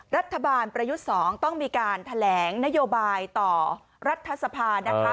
ประยุทธ์๒ต้องมีการแถลงนโยบายต่อรัฐสภานะคะ